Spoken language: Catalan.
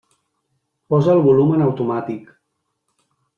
Posa el volum en automàtic.